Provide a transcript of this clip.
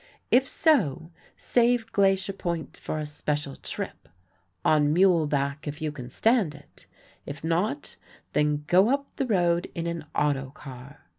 If so, save Glacier Point for a special trip on muleback if you can stand it; if not, then go up the road in an auto car.